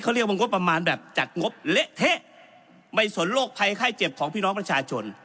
เขาเรียกว่างบประมาณแบบจัดงบเละเทะไม่สนโรคภัยไข้เจ็บของพี่น้องประชาชน